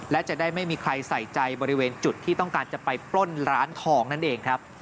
และจะได้ไม่มีใครใส่ใจบริเวณจุดที่ต้องการจะไปปล้นร้านทองนั่นเองครับ